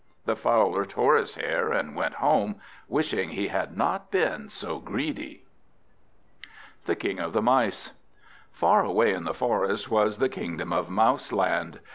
The Fowler tore his hair, and went home, wishing he had not been so greedy. The King of the Mice FAR away in the forest was the Kingdom of Mouseland.